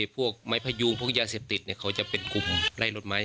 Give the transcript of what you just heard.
พวกไม้พยุงพวกยาเสพติดเขาจะเป็นกลุ่มไล่รถไหม